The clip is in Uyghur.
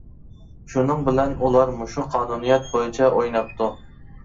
شۇنىڭ بىلەن ئۇلار مۇشۇ قانۇنىيەت بويىچە ئويناپتۇ.